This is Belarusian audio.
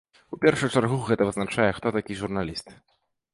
У першую чаргу, гэта вызначэнне, хто такі журналіст.